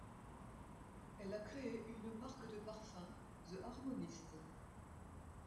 Elle a créé une marque de parfums, The Harmonist.